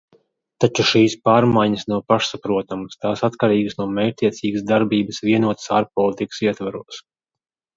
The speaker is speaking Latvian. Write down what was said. Taču šīs pārmaiņas nav pašsaprotamas, tās atkarīgas no mērķtiecīgas darbības vienotas ārpolitikas ietvaros.